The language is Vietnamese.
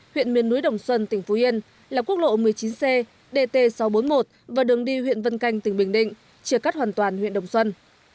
huyện miền núi đồng xuân tỉnh phú yên là quốc lộ một mươi chín c dt sáu trăm bốn mươi một và đường đi huyện vân canh tỉnh bình định chia cắt hoàn toàn huyện đồng xuân